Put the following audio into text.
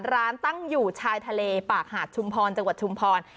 ตั้งอยู่ชายทะเลปากหาดชุมพรจังหวัดชุมพร